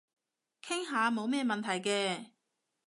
傾下冇咩問題嘅